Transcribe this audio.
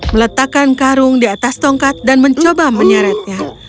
meletakkan karung di atas tongkat dan mencoba menyeretnya